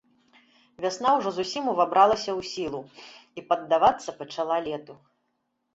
Вясна ўжо зусім увабралася ў сілу і паддавацца пачала лету.